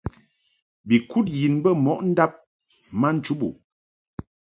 Bi kud yin bɛ mo ndab ma nchubuʼ.